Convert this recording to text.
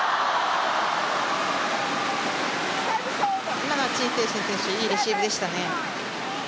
今のは陳清晨選手、いいレシーブでしたね。